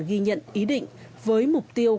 ghi nhận ý định với mục tiêu